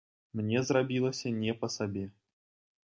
Мне зрабілася не па сабе.